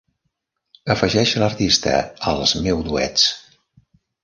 Afegeix l'artista als meu duets.